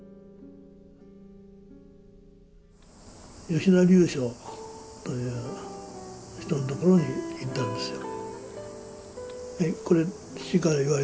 吉田龍象という人のところに行ったんですよ。